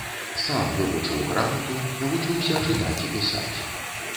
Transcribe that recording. Сам вывучыў грамату, навучыўся чытаць і пісаць.